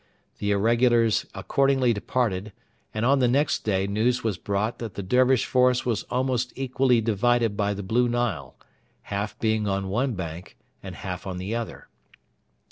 The irregulars accordingly departed; and the next day news was brought that the Dervish force was almost equally divided by the Blue Nile, half being on one bank and half on the other.